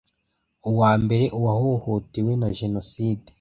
uwambere uwahohotewe na jenoside